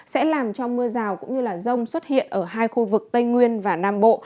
sẽ làm cho mưa rào cũng như rông xuất hiện ở hai khu vực tây nguyên và nam bộ